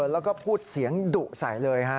แล้วก็พูดเสียงดุใส่เลยฮะ